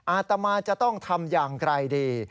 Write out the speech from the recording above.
อาตมาจะต้องทำอย่างไรดี